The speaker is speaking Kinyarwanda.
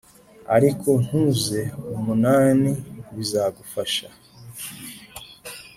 Ariko ntuze umunani bizagufasha